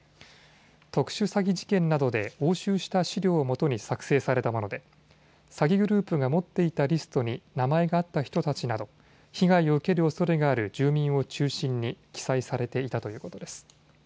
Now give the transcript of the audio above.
特殊詐欺事件などで押収した資料をもとに作成されたもので詐欺グループが持っていたリストに名前があった人たちなど、被害を受けるおそれがある住民を中心に記載されていたということです。